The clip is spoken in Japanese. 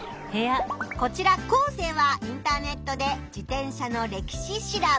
こちらコウセイはインターネットで自転車の歴史調べ。